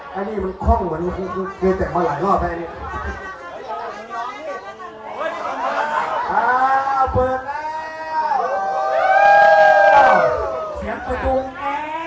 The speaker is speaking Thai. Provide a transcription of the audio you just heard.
พี่น้องนี่เปิดแล้ว